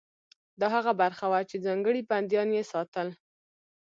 دا هغه برخه وه چې ځانګړي بندیان یې ساتل.